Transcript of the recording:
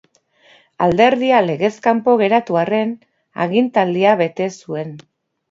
Alderdia legez kanpo geratu arren, agintaldia bete zuen.